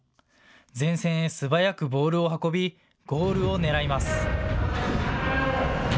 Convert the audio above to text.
前線へ素早くボールを運びゴールを狙います。